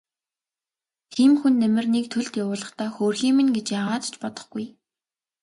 Тийм хүн Дамираныг төлд явуулахдаа хөөрхий минь гэж яагаад ч бодохгүй.